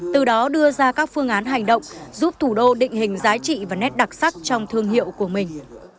từ đó đưa ra các phương án hành động giúp thủ đô định hình giá trị và nét đặc sắc trong thương hiệu của mình